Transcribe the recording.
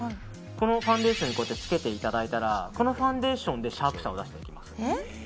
このファンデーションにつけていただいたらこのファンデーションでシャープさを出していきます。